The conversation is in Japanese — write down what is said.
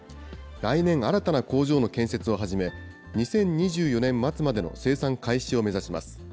来年、新たな工場の建設を始め、２０２４年末までの生産開始を目指します。